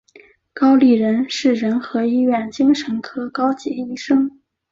高立仁是仁和医院精神科高级医生。